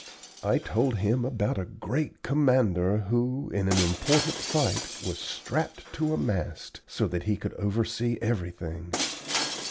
I told him about a great commander who, in an important fight, was strapped to a mast, so that he could oversee everything.